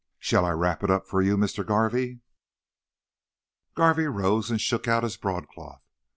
Shall I w wrap it up for you, Mr. Garvey?" Garvey rose, and shook out his broadcloth.